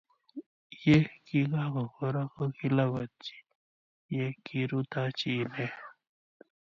Ye kikakoro ko kilapatyi ye kirutachi ine